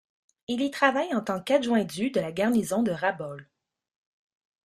Il y travaille en tant qu'adjoint du de la garnison de Rabaul.